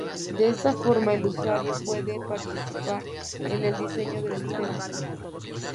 De esta forma, el usuario puede participar en el diseño del sistema.